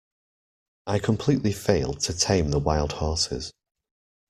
I completely failed to tame the wild horses.